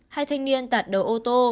hai thanh niên tạt đầu ô tô